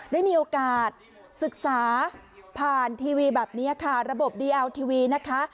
ได้มีโอกาสศึกษาผ่านทีวีแบบนี้ค่ะระบบดีเอลทีวีนะคะ